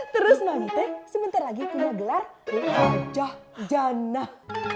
terus mami teh sebentar lagi punya gelar hojah janah